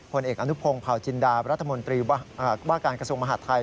ผลเอกอนุพงศ์เผาจินดารัฐมนตรีว่าการกระทรวงมหาดไทย